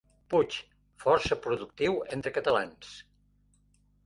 Puig, força productiu entre catalans.